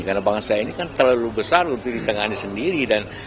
karena bangsa ini kan terlalu besar untuk ditengahkan sendiri